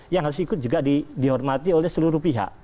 yang harus ikut juga dihormati oleh seluruh pihak